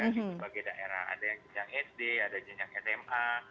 sebagai daerah ada yang jenjang sd ada yang jenjang tma